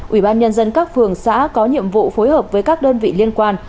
ủy ban nhân dân các phường xã có nhiệm vụ phối hợp với các đơn vị liên quan